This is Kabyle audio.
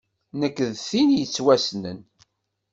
Nekk d tin yettwassnen.